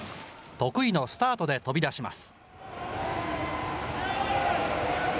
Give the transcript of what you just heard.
得意のスタートで飛び出します。